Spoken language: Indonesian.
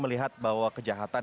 melihat bahwa kejahatan